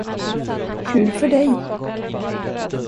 Kul för dig.